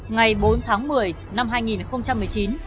ngày bốn tháng một mươi năm hai nghìn một mươi chín